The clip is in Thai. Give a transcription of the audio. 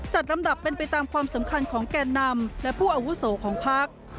ลำดับเป็นไปตามความสำคัญของแก่นำและผู้อาวุโสของพัก